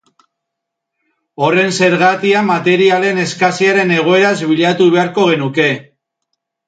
Horren zergatia materialen eskasiaren egoeraz bilatu beharko genuke.